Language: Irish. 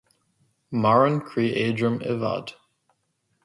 Maireann croí éadrom i bhfad